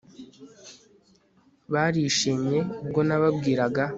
Barishimye ubwo nababwiraga